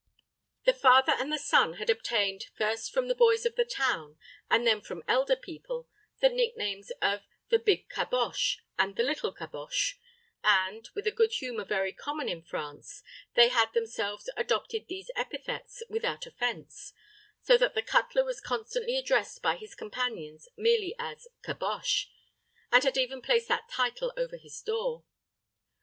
The father and the son had obtained, first from the boys of the town, and then from elder people, the nicknames of the big Caboche and the little Caboche, and, with a good humor very common in France, they had themselves adopted these epithets without offense; so that the cutler was constantly addressed by his companions merely as Caboche, and had even placed that title over his door.